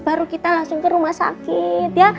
baru kita langsung ke rumah sakit